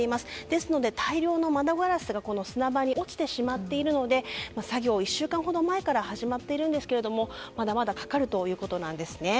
ですので、大量の窓ガラスがこの砂場に落ちてしまっているので作業を１週間ほど前から始まっているんですけどもまだまだかかるということです。